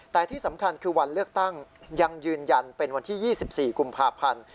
แต่ที่สำคัญคือวันเลือกตั้งยังยืนยันเป็นวันที่๒๔กุมภาพันธ์